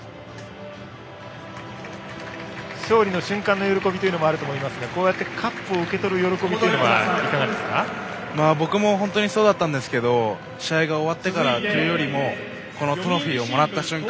勝利の瞬間の喜びというのもあると思いますがこうしてカップを受け取る喜びは僕も本当にそうだったんですが試合が終わってからというよりもトロフィーをもらった瞬間